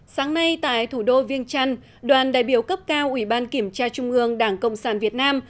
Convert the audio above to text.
sáng nay tại thủ đô viên trăn đoàn đại biểu cấp cao ủy ban kiểm tra trung ương đảng cộng sản việt nam